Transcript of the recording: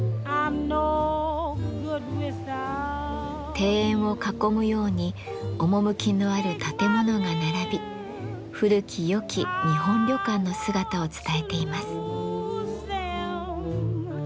庭園を囲むように趣のある建物が並び古き良き日本旅館の姿を伝えています。